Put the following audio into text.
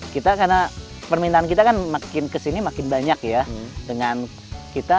kita karena permintaan kita kan makin kesini makin banyak ya dengan kita